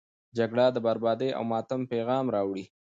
جګړه د بربادي او ماتم پیغام راوړي.